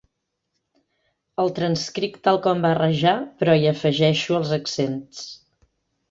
El transcric tal com va rajar, però hi afegeixo els accents.